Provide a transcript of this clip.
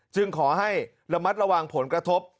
ขอให้ระมัดระวังผลกระทบ